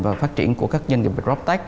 và phát triển của các doanh nghiệp về proctech